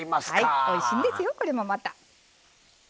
おいしいんですよ、これもまた。